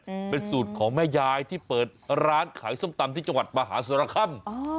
อืมเป็นสูตรของแม่ยายที่เปิดร้านขายส้มตำที่จังหวัดมหาสรคัมอ๋อ